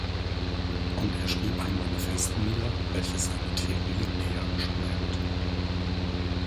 Und er schrieb ein Manifest nieder, welches seine Theorie näher beschreibt.